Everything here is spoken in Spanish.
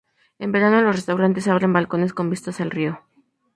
En verano, los restaurantes abren balcones con vistas al río.